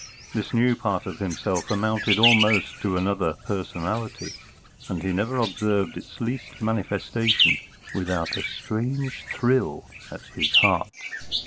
This new part of himself amounted almost to another personality, and he never observed its least manifestation without a strange thrill at his heart.